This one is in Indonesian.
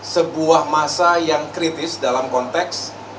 sebuah masa yang kritis dalam konteks